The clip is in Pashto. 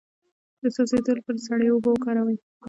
د سوځیدو لپاره سړې اوبه وکاروئ